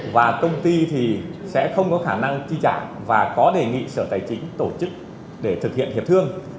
và công ty thì sẽ không có khả năng chi trả và có đề nghị sở tài chính tổ chức để thực hiện hiệp thương